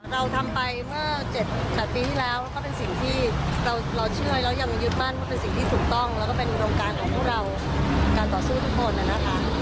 เราทำไปเมื่อ๗๘ปีที่แล้วก็เป็นสิ่งที่เราเชื่อแล้วยังยึดมั่นว่าเป็นสิ่งที่ถูกต้องแล้วก็เป็นอุดมการของพวกเราการต่อสู้ทุกคนนะคะ